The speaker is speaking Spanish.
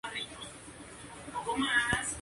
Presentación por el Reverendo Jesse Jackson